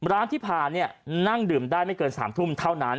ร้านที่ผ่านนั่งดื่มได้ไม่เกิน๓ทุ่มเท่านั้น